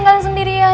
ntar lo juga tau